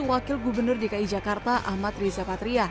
wakil gubernur dki jakarta ahmad riza patria